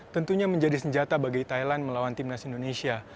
tentunya menjadi senjata bagi thailand melawan timnas indonesia